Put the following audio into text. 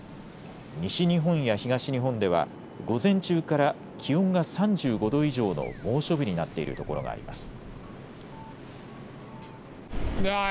西日本や東日本では午前中から気温が３５度以上の猛暑日になっているところがあります。